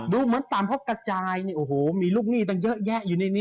ดูเหมือนต่ำเพราะกระจายเนี่ยโอ้โหมีลูกหนี้ตั้งเยอะแยะอยู่ในนี้